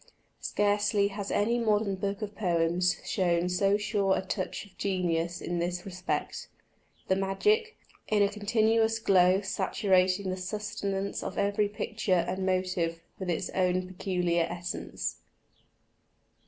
Scarcely has any modern book of poems shown so sure a touch of genius in this respect: the magic, in a continuous glow saturating the substance of every picture and motive with its own peculiar essence.